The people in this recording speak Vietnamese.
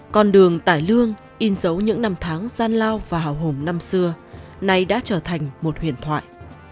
con đường cải lương in dấu những năm tháng gian lao và hào hùng năm xưa nay đã trở thành một huyền thoại